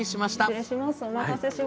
失礼します。